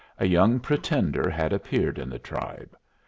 A young pretender had appeared in the tribe.